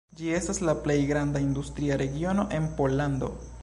Ĝi estas la plej granda industria regiono en Pollando.